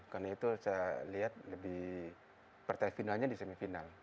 karena itu saya lihat lebih pertempurannya di semifinal